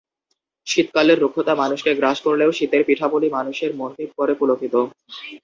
শীতকালের রুক্ষতা মানুষকে গ্রাস করলেও শীতের পিঠাপুলি মানুষের মনকে করে পুলকিত।